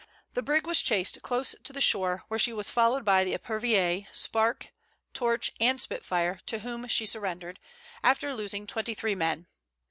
The brig was chased close to the shore, where she was followed by the Epervier, Spark, Torch and Spitfire, to whom she surrendered, after losing twenty three men.